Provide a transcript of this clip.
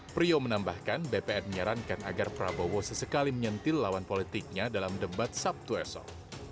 prio menambahkan bpn menyarankan agar prabowo sesekali menyentil lawan politiknya dalam debat sabtu esok